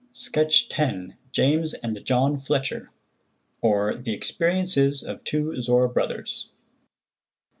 Sketch X. JAMES AND JOHN FLETCHER; OR, THE EXPERIENCES OF TWO ZORRA BROTHERS.